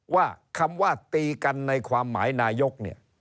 ว่าคำว่าตีกันในความหมายนายกเนี่ย